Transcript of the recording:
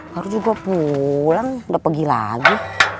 harus juga pulang udah pergi lagi